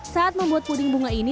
saat membuat puding bunga ini